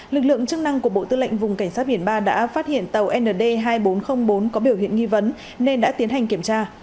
lực lượng chức năng của bộ tư lệnh vùng cảnh sát biển ba đã phát hiện tàu nd hai nghìn bốn trăm linh bốn có biểu hiện nghi vấn nên đã tiến hành kiểm tra